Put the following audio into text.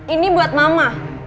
ini buat mama